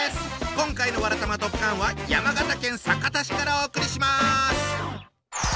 今回の「わらたまドッカン」は山形県酒田市からお送りします。